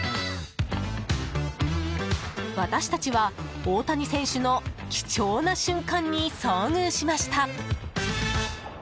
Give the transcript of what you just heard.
私たちは大谷選手の貴重な瞬間に遭遇しました。